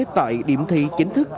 tại điểm thi chính thức